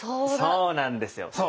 そうなんですよ。